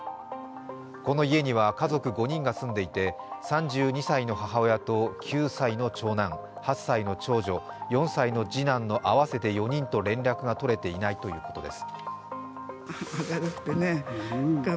この家には家族５人が住んでいて、３２歳の母親と９歳の長男、８歳の長女、４歳の次男の合わせて４人と連絡がとれていないということです。